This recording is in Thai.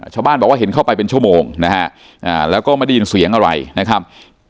ชาวบ้านบอกว่าเห็นเข้าไปเป็นชั่วโมงนะฮะแล้วก็ไม่ได้ยินเสียงอะไรนะครับ